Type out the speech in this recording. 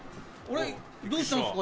どうしたんですか？